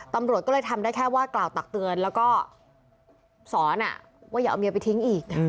ตำรวจก็เลยทำได้แค่ว่ากล่าวตักเตือนแล้วก็สอนว่าอย่าเอาเมียไปทิ้งอีก